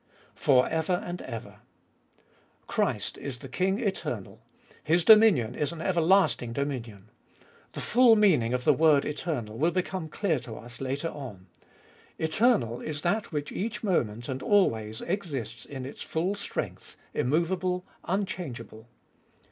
For ever and ever. Christ is the King eternal. His dominion is an everlasting dominion. The full meaning of the word eternal will become clear to us later on. Eternal is that which each moment and always exists in its full strength, immoveable, unchangeable.